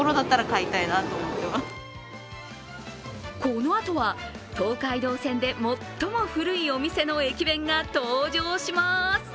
このあとは東海道線で最も古いお店の駅弁が登場します。